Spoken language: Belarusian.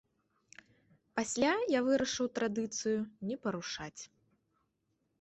Пасля я вырашыў традыцыю не парушаць.